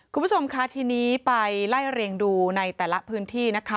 คุณผู้ชมค่ะทีนี้ไปไล่เรียงดูในแต่ละพื้นที่นะคะ